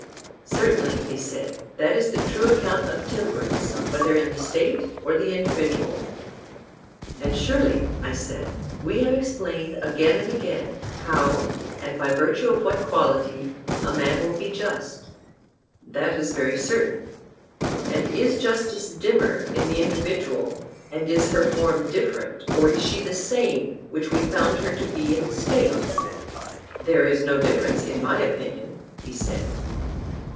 Certainly, he said, that is the true account of temperance whether in the State or individual. And surely, I said, we have explained again and again how and by virtue of what quality a man will be just. That is very certain. And is justice dimmer in the individual, and is her form different, or is she the same which we found her to be in the State? There is no difference in my opinion, he said.